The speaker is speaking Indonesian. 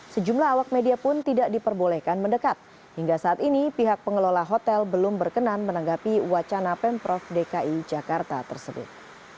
sejumlah awak media pun tidak diperbolehkan mendekat hingga saat ini pihak pengelola hotel belum berkenan menanggapi wacana pemprov dki jakarta tersebut